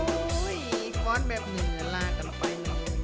ค้อนแบบเหนื่อยลากันไป